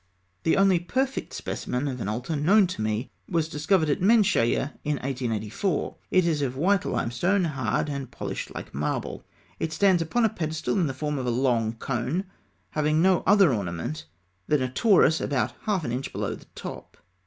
The only perfect specimen of an altar known to me was discovered at Menshîyeh in 1884 (fig. 111). It is of white limestone, hard and polished like marble. It stands upon a pedestal in the form of a long cone, having no other ornament than a torus about half an inch below the top.